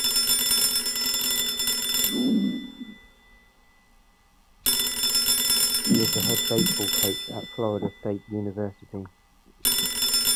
He is the head baseball coach at Florida State University.